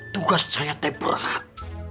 tugas saya teperat